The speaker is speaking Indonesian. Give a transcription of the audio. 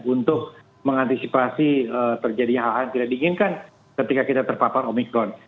untuk mengantisipasi terjadi hal hal yang tidak diinginkan ketika kita terpapar omikron